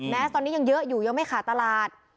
แม้ตอนนี้ยังเยอะอยู่ยังไม่ขาดตลาด